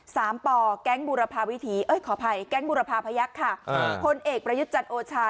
สามป่อแก๊งบุรพาพยักษ์ค่ะผลเอกประยุจจันทร์โอชา